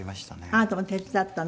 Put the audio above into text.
あなたも手伝ったの？